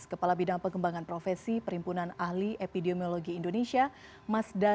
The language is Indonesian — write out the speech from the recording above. kepala bidang pengembangan profesi perhimpunan ahli epidemiologi indonesia mas dali